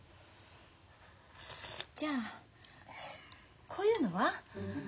じゃあこういうのは？